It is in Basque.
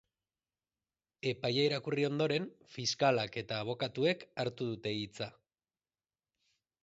Epaia irakurri ondoren, fiskalak eta abokatuek hartu dute hitza.